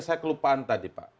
saya kelupaan tadi pak